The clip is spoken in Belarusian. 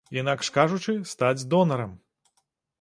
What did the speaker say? Інакш кажучы, стаць донарам.